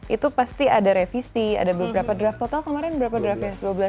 itu pasti ada revisi ada beberapa draft total kemarin berapa draftnya